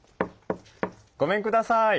ごめんください。